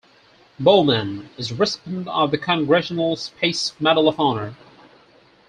Borman is a recipient of the Congressional Space Medal of Honor.